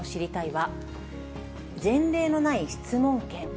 は、前例のない質問権。